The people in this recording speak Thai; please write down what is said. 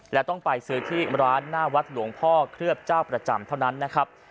และต้องไปซื้อที่ร้านหน้าวัดหลวงพ่อเคลือบเจ้าประจำเท่านั้นนะครับ